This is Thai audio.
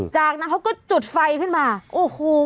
จากนั้นเขาก็จุดไฟขึ้นมาโอ้โฮคุณผู้ชม